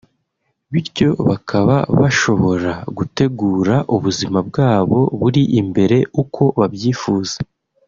bityo bakaba bashobora gutegura ubuzima bwabo buri imbere uko babyifuza